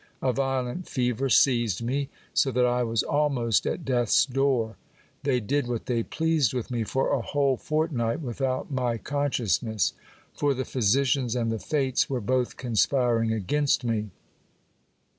A violent fever seized me, so that I was almost at death's door. They did what they pleased with me for a whole fortnight, without my con sciousness ; for the physicians and the fates were both conspiring against me.